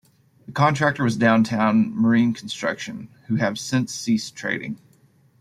The contractor was Downtown Marine Construction who have since ceased trading.